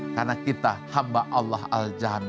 karena kita hamba allah al jami